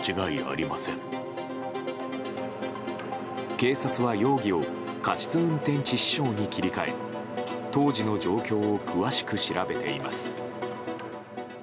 警察は容疑を過失運転致死傷に切り替え当時の状況を詳しく調べています。